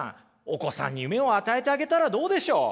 お子さんに夢を与えてあげたらどうでしょう？